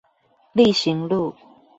力行路